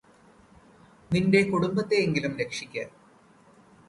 നിന്റെ കുടുംബത്തെയെങ്കിലും രക്ഷിക്ക്